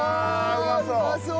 うまそう！